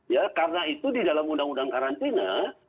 ya karena itu di dalam undang undang karantina